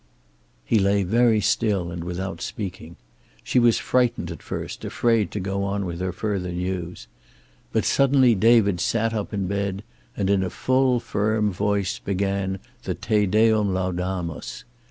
He lay very still and without speaking. She was frightened at first, afraid to go on with her further news. But suddenly David sat up in bed and in a full, firm voice began the Te Deum Laudamus.